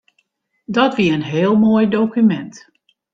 Dat wie in heel moai dokumint.